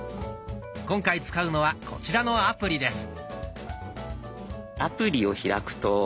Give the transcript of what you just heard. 今回使うのはこちらのアプリです。